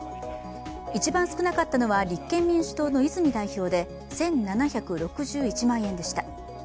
一番少なかったのは立憲民主党の泉代表で１７６１万円でした。